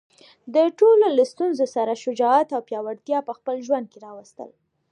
د ټولو له ستونزو سره شجاعت او پیاوړتیا په خپل ژوند کې راوستل.